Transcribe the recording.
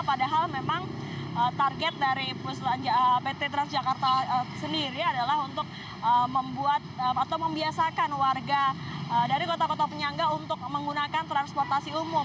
padahal memang target dari pt transjakarta sendiri adalah untuk membuat atau membiasakan warga dari kota kota penyangga untuk menggunakan transportasi umum